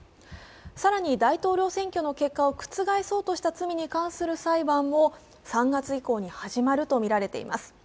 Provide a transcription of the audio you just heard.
更に大統領選挙の結果を覆そうとした罪に関する裁判も３月以降に始まるとみられています。